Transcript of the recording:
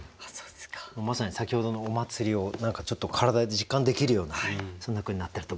まさに先ほどのお祭りを何かちょっと体で実感できるようなそんな句になってると思います。